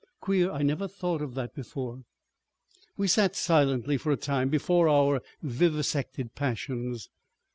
Queer I never thought of that before!" We sat silently for a time before our vivisected passions.